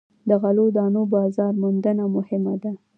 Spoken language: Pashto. د غلو دانو بازار موندنه مهمه ده.